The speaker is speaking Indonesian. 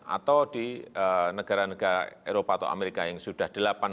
atau di negara negara eropa atau amerika yang sudah delapan